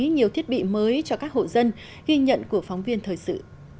nhiều thiết bị mới cho các hộ dân ghi nhận của phóng viên thời sự